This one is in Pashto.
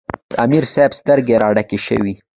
د امیر صېب سترګې راډکې شوې ـ